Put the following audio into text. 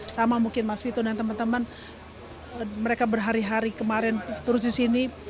sama mungkin mas vito dan teman teman mereka berhari hari kemarin terus di sini